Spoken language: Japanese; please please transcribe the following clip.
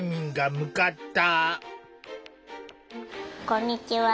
こんにちは。